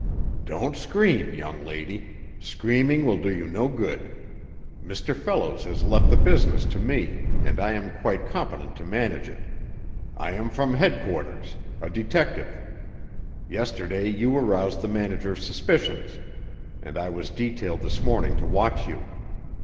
"Don't scream, young lady; screaming will do you no good. Mr. Fellows has left the business to me and I am quite competent to manage it. I am from headquarters a detective. Yesterday you aroused the manager's suspicions, and I was detailed this morning to watch you.